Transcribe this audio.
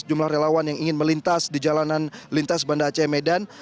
sejumlah relawan yang ingin melintas di jalanan lintas banda aceh medan